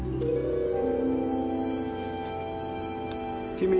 君。